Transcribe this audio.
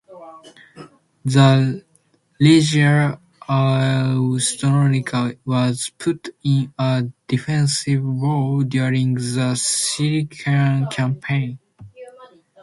The Regia Aeronautica was put in a defensive role during the Sicilian Campaign.